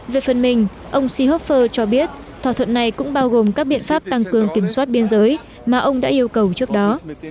về phần mình ông seehofer cho biết thỏa thuận này cũng bao gồm các biện pháp tăng cường kiểm soát biên giới mà ông đã yêu cầu trước đó